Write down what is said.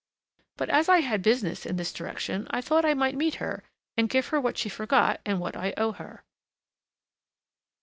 but as I had business in this direction, I thought I might meet her and give her what she forgot and what I owe her."